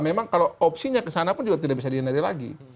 memang kalau opsinya kesana pun juga tidak bisa dihindari lagi